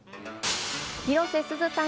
広瀬すずさん